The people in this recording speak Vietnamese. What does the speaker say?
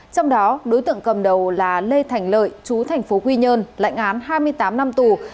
trong đó đối tượng cầm đầu là lê thành lợi chú thành phố quy nhơn lệnh án hai mươi tám năm tù